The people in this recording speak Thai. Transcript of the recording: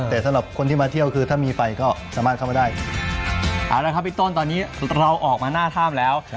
แต่สำหรับคนที่มาเที่ยวคือถ้ามีไฟก็สามารถเข้ามาได้เอาละครับพี่ต้นตอนนี้เราออกมาหน้าถ้ำแล้ว